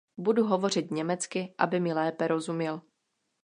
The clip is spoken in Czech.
Budu hovořit německy, aby mi lépe rozuměl.